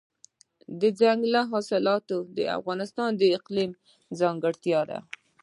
دځنګل حاصلات د افغانستان د اقلیم ځانګړتیا ده.